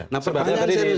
nah pertanyaan saya ini